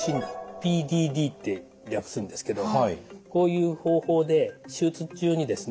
ＰＤＤって略すんですけどこういう方法で手術中にですね